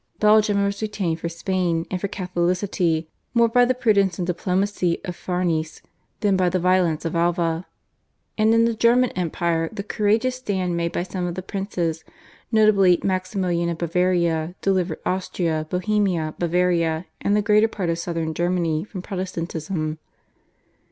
Belgium was retained for Spain and for Catholicity more by the prudence and diplomacy of Farnese than by the violence of Alva; and in the German Empire the courageous stand made by some of the princes, notably Maximilian of Bavaria, delivered Austria, Bohemia, Bavaria and the greater part of Southern Germany from Protestantism.